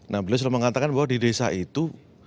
nah beliau sudah mengatakan bahwa di desa itu